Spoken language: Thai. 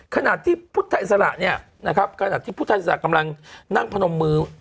ขณะที่พุทธอิสระเนี่ยนะครับขณะที่พุทธอิสระกำลังนั่งพนมมือ